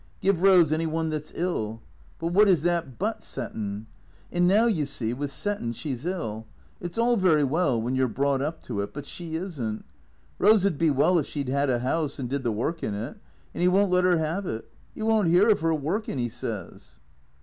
Give Eose any one that 's ill. But wot is that hut settin' ? And now, you see, with settin' she 's ill. It 's all very well when you 're brought up to it, but she is n't. Rose 'd be well if she 'ad a 'ouse and did the work in it. And 'E won't let 'er 'ave it. 'E won't 'ear of 'er workin', 'E says."